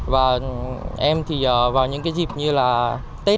và em thì vào những cái dịp như là tết